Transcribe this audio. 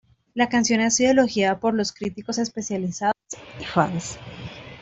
La canción ha sido elogiada por los críticos especializados y fans.